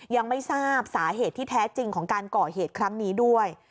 ยังไม่ทราบสาเหตุที่แท้จริงของการก่อเหตุครั้งนี้ด้วย